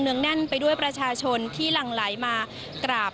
งแน่นไปด้วยประชาชนที่หลั่งไหลมากราบ